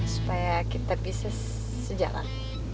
supaya kita bisa sejalan